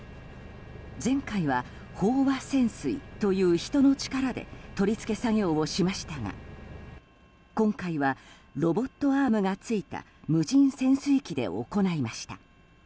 前回は、飽和潜水という人の力で取り付け作業をしましたが今回はロボットアームがついた無人潜水機で行いました。